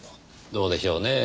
どうでしょうねぇ。